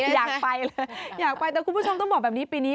อยากไปเลยอยากไปแต่คุณผู้ชมต้องบอกแบบนี้ปีนี้